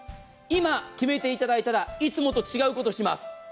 今、決めていただいたら、いつもと違うことします。